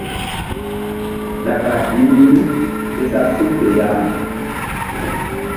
Ɗaka i ni mí ke sa su̧ fe ya.